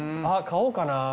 あっ買おうかな。